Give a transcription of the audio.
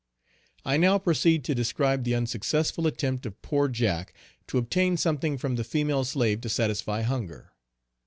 I now proceed to describe the unsuccessful attempt of poor Jack to obtain something from the female slave to satisfy hunger.